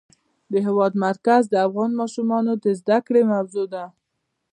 د هېواد مرکز د افغان ماشومانو د زده کړې موضوع ده.